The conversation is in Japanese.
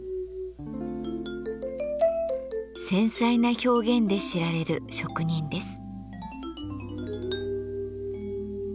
繊細な表現で知られる職人です。